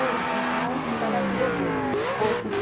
もうおなかがすごく大きくて。